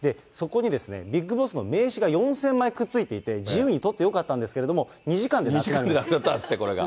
そこにビッグボスの名刺が４０００枚くっついていて、自由に取ってよかったんですけれども、２時２時間でなくなったんですっ